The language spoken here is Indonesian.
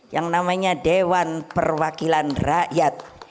yang namanya dewan perwakilan rakyat